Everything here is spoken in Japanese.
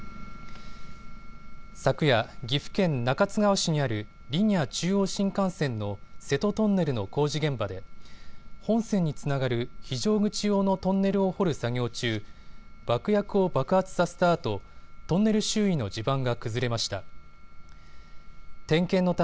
昨夜、岐阜県中津川市にあるリニア中央新幹線の瀬戸トンネルの工事現場で本線につながる非常口用のトンネルを掘る作業中、爆薬を爆発させたあとトンネル周囲の地盤が崩れました。